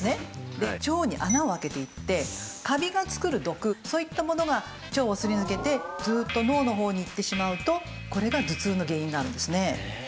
で腸に穴を開けていってカビが作る毒そういったものが腸をすり抜けてずーっと脳の方に行ってしまうとこれが頭痛の原因なんですね。